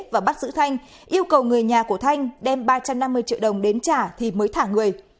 và bắt giữ thanh yêu cầu người nhà của thanh đem ba trăm năm mươi triệu đồng đến trả thì mới thả người